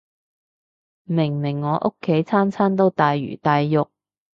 明明我屋企餐餐都大魚大肉